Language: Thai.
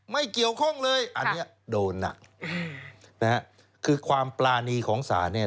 ไม่เกี่ยวข้องเลยอันนี้โดนหนักนะฮะคือความปรานีของศาลเนี่ย